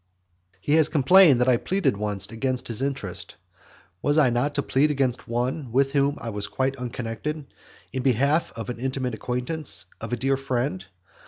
II. He has complained that I pleaded once against his interest. Was I not to plead against one with whom I was quite I unconnected, in behalf of an intimate acquaintance, of a dear friend?